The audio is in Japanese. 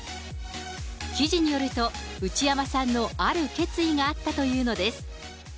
記事によると、内山さんのある決意があったというのです。